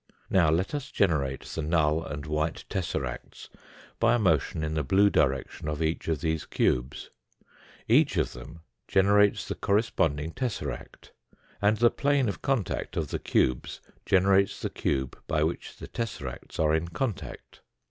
Now let us generate the null and white tesseracts by a motion in the blue direction of each of these cubes. Each of them generates the corresponding tesseract, and the plane of contact of the cubes generates the cube by which the tesseracts are in contact.